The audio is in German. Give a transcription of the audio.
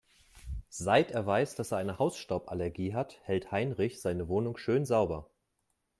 Seit er weiß, dass er eine Hausstauballergie hat, hält Heinrich seine Wohnung schön sauber.